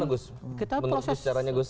kalau semua itu tadi proses gimana gus